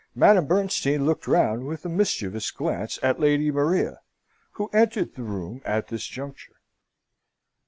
Madame Bernstein looked round with a mischievous glance at Lady Maria, who entered the room at this juncture.